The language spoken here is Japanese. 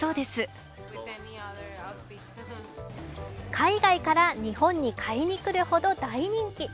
海外から日本に買いに来るほど大人気。